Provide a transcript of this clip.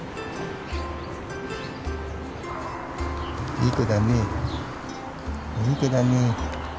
いい子だねいい子だね。